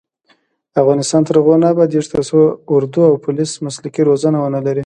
افغانستان تر هغو نه ابادیږي، ترڅو اردو او پولیس مسلکي روزنه ونه لري.